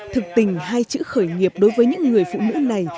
thực tình hai chữ khởi nghiệp đối với những người phụ nữ này